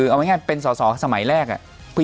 เอาง่ายเป็นสอสอสมัยแรกอะ